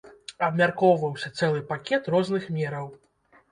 Абмяркоўваўся цэлы пакет розных мераў.